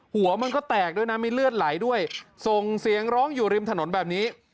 หัวมันก็แตกด้วยนะมีเลือดไหลด้วยส่งเสียงร้องอยู่ริมถนนแบบนี้